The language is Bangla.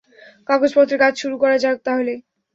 কাগজপত্রের কাজ শুরু করা যাক তাহলে।